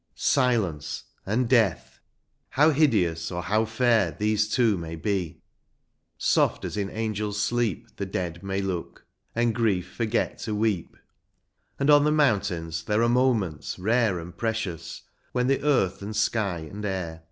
Silence and death ! how hideous or how fair These two may be ; soft as in angel's sleep The dead may look, and grief forget to weep ; And on the mountains there are moments, rare And precious, when the earth, and sky, and air.